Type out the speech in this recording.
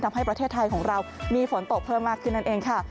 ทำให้ประเทศไทยของเรามีฝนตกเพิ่มมากขึ้นนั่นเองค่ะ